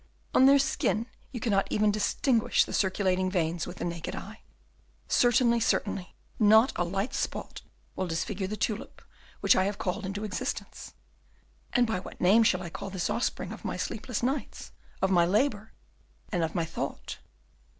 On their skin you cannot even distinguish the circulating veins with the naked eye. Certainly, certainly, not a light spot will disfigure the tulip which I have called into existence. And by what name shall we call this offspring of my sleepless nights, of my labour and my thought?